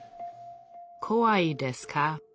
こわいですか？